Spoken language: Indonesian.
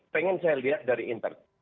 pengen saya lihat dari inter